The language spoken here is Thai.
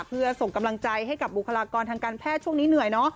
เพื่อส่งกำลังใจให้กับบุคลากรทางการแพทย์ช่วงนี้เหนื่อยเนอะ